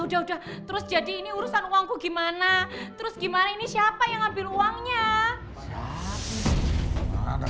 udah udah terus jadi ini urusan uangku gimana terus gimana ini siapa yang ambil uangnya ada